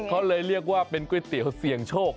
เขาเลยเรียกว่าเป็นก๋วยเตี๋ยวเสี่ยงโชค